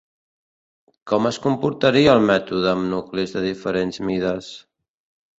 Com es comportaria el mètode amb nuclis de diferents mides?